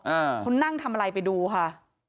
อ่าเขานั่งทำอะไรไปดูค่ะ